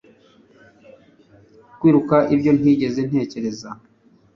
kwiruka ibyo ntigeze ntekereza